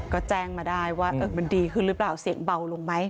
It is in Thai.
ก็แจ้งมาได้ว่ามันดีขึ้นหรือเปล่าเสียงเบาลงไหม